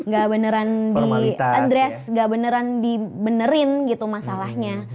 gak beneran diadress gak beneran di benerin gitu masalahnya